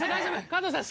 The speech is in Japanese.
加藤さん